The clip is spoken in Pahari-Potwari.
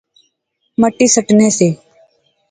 مٹی سٹنے سے